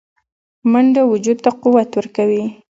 منډه وجود ته قوت ورکوي